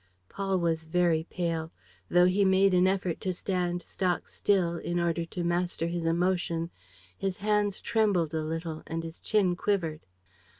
Paul was very pale. Though he made an effort to stand stock still, in order to master his emotion, his hands trembled a little and his chin quivered.